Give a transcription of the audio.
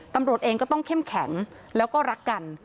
ตำรวจเองก็ต้องเข้มแข็งแล้วก็รักกัน